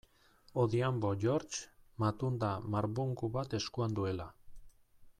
Odhiambo George, matunda marbungu bat eskuan duela.